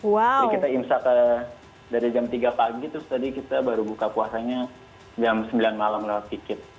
jadi kita insya ke dari jam tiga pagi terus tadi kita baru buka puasanya jam sembilan malam lah sedikit